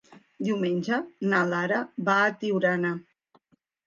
Diumenge na Lara va a Tiurana.